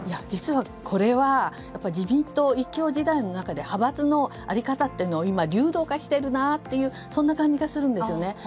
実はこれは自民党一強時代の中で派閥の在り方というのが今、流動化しているなというそんな感じがするんですよね。